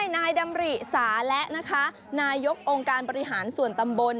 นายดำริสาและนะคะนายกองค์การบริหารส่วนตำบล